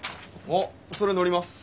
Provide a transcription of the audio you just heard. おっそれ乗ります。